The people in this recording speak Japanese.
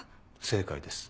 正解です。